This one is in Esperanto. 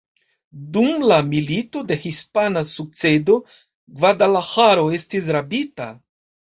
Dum la Milito de hispana sukcedo Gvadalaĥaro estis rabita.